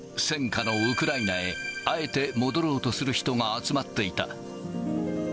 戦禍のウクライナへ、あえて戻ろうとする人が集まっていた。